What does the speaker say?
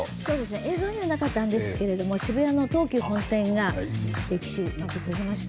映像にはなかったんですけれども渋谷の東急本店が歴史、幕を閉じました。